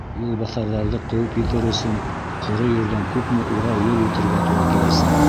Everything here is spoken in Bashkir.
Юлбаҫарҙарҙы ҡыуып етер өсөн ҡоро ерҙән күпме урау юл үтергә тура киләсәк!